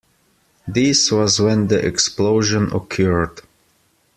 This was when the explosion occurred.